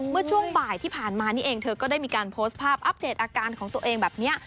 เมื่อช่วงบ่ายที่ผ่านมานี่เองเธอก็ได้มีการโพสต์ภาพอัปเดตอาการของตัวเองแบบนี้